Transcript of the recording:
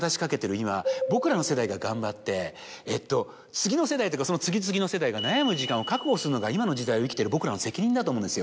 今僕らの世代が頑張って次の世代とかその次次の世代が悩む時間を確保するのが今の時代を生きてる僕らの責任だと思うんですよ。